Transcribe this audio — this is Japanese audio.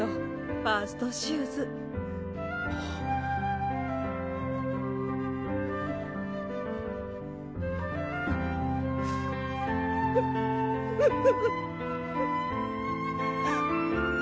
ファーストシューズえる！